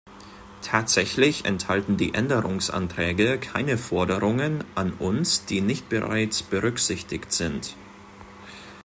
Tatsächlich enthalten die Änderungsanträge keine Forderungen an uns, die nicht bereits berücksichtigt sind.